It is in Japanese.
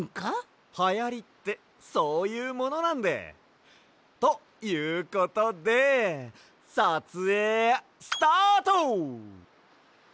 はやりってそういうものなんで。ということでさつえいスタート！